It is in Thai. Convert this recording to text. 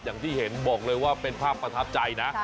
อย่างที่เห็นบอกเลยว่าเป็นภาพประทับใจนะ